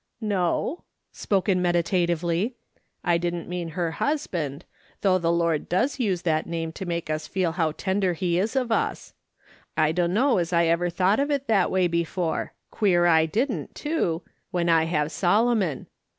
" No," spoken meditatively ;" I didn't mean her husband ; though the Lord does use that name to make us feel how tender he is of us. I dunno as I ever thought of it that way before ; queer I didn't, too, when I have Solomon.